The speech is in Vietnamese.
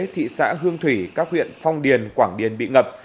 thị xã hương thủy các huyện phong điền quảng điền bị ngập